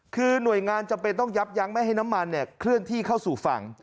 คือหน่วยงานจำเป็นต้องยับยั้งไม่ให้น้ำมันเคลื่อนที่เข้าสู่ฝั่ง